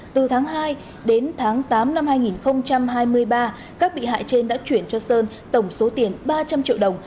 từ tháng hai đến tháng tám năm hai nghìn hai mươi ba các bị hại trên đã chuyển cho sơn tổng số tiền ba trăm linh triệu đồng